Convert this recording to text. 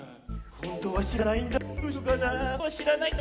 ほんとはしらないんだ。